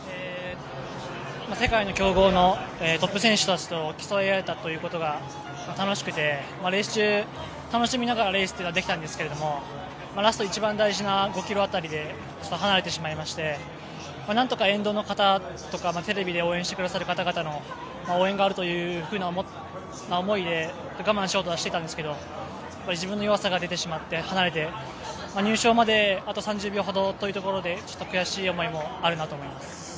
世界の強豪のトップ選手たちと競い合えたということが楽しくて、レース中、楽しみながらレースというのはできたんですがラスト一番大事な５ｋｍ辺りで離れてしまいましてなんとか沿道の方とかテレビで応援してくださる方の応援があるという思いで我慢しようとはしてたんですけど、自分の弱さが出てしまって離れて入賞まであと３０秒ほど遠いところで、悔しい思いもあると思います。